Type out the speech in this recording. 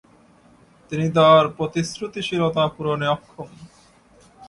তিনি তার প্রতিশ্রুতিশীলতা পূরণে অক্ষম।